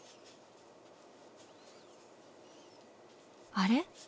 あれ？